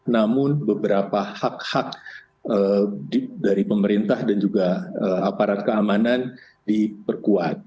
namun beberapa hak hak dari pemerintah dan juga aparat keamanan diperkuat